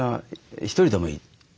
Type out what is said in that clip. ２人でもいい。